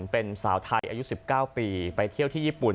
เป็นสาวไทยอายุ๑๙ปีไปเที่ยวที่ญี่ปุ่น